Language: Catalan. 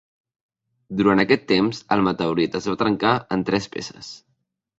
Durant aquest temps el meteorit es va trencar en tres peces.